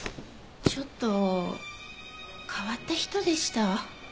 ちょっと変わった人でした。